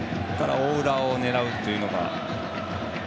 大裏を狙うというのが。